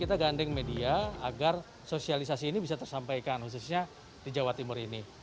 kita gandeng media agar sosialisasi ini bisa tersampaikan khususnya di jawa timur ini